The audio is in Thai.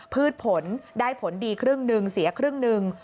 พืชผลได้ผลดีครึ่งหนึ่งเสียครึ่งหนึ่ง